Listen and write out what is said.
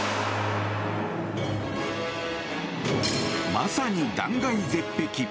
まさに断崖絶壁！